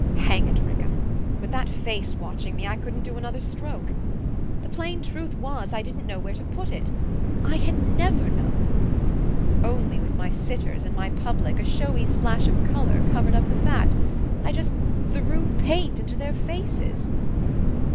"Hang it, Rickham, with that face watching me I couldn't do another stroke. The plain truth was, I didn't know where to put it I HAD NEVER KNOWN. Only, with my sitters and my public, a showy splash of colour covered up the fact I just threw paint into their faces....